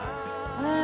うん。